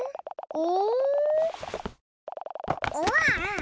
お？